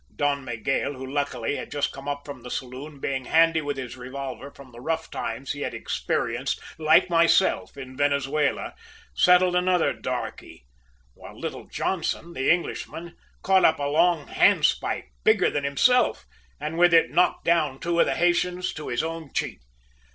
"Don Miguel, who luckily had just come up from the saloon, being handy with his revolver from the rough times he had experienced, like myself, in Venezuela, settled another darkie; while little Johnson, the Englishman, caught up a long hand spike, bigger than himself, and with it knocked down two of the Haytians to his own cheek.